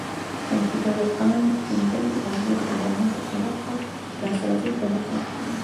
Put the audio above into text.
کمپيوټر عام کېدنې او بيا د انټرنټ انقلاب ته د لاسرسي په برخه کې